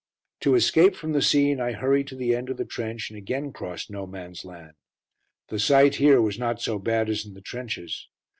To escape from the scene I hurried to the end of the trench and again crossed "No Man's Land." The sight here was not so bad as in the trenches.